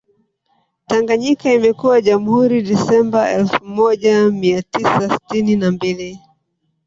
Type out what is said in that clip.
tanganyika imekuwa jamhuri disemba elfu moja mia tisa sitini na mbili